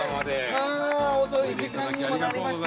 はぁ遅い時間にもなりまして。